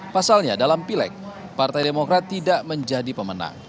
pasalnya dalam pileg partai demokrat tidak menjadi pemenang